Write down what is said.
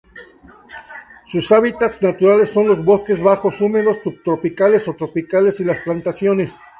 Sus hábitats naturales son los bosques bajos húmedos subtropicales o tropicales y las plantaciones.